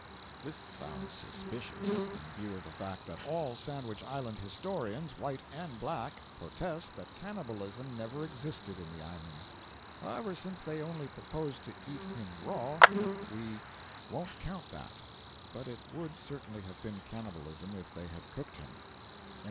[This sounds suspicious, in view of the fact that all Sandwich Island historians, white and black, protest that cannibalism never existed in the islands. However, since they only proposed to "eat him raw" we "won't count that". But it would certainly have been cannibalism if they had cooked him.